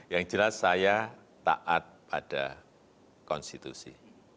yang jelas saya taat pada konstitusi